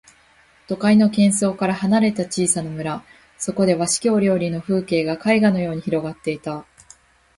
都会の喧騒から離れた小さな村、そこでは四季折々の風景が絵画のように広がっていた。